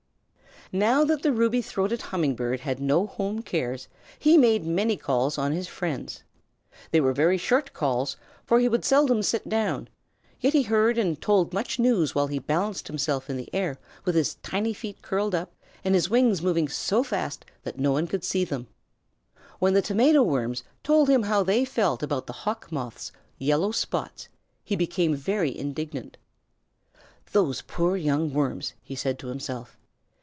Now that the Ruby throated Humming Bird had no home cares, he made many calls on his friends. They were very short calls, for he would seldom sit down, yet he heard and told much news while he balanced himself in the air with his tiny feet curled up and his wings moving so fast that one could not see them. When the Tomato Worms told him how they felt about the Hawk Moth's yellow spots, he became very indignant. "Those poor young worms!" he said to himself.